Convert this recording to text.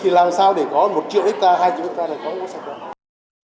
thì làm sao để có một triệu hectare hai triệu hectare để có một sản xuất